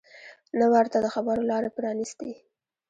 نه ورته د خبرو لاره پرانیستې